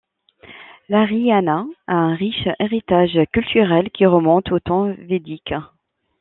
L'Haryana a un riche héritage culturel qui remonte aux temps védiques.